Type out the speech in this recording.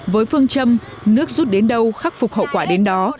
với phương châm nước rút đến đâu khắc phục hậu quả đến đó